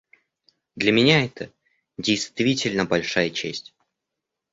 Для меня это, действительно, большая честь.